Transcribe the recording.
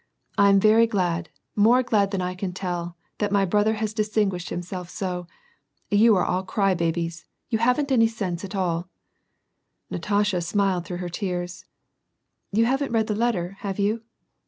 " I am very glad, more glad than I can tell, that my brother has distinguished himself so ! You are all cry babies. You haven't any sense at all." Natasha smiled through her tears, —" You haven't read the letter, have you